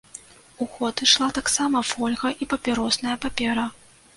У ход ішла таксама фольга і папіросная папера.